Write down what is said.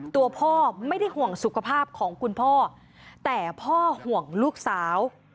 ตัวพ่อไม่ได้ห่วงสุขภาพของคุณพ่อแต่พ่อห่วงลูกสาว